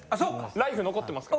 ライフ残ってますから。